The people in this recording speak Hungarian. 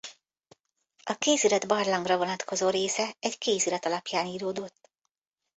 A kézirat barlangra vonatkozó része egy kézirat alapján íródott.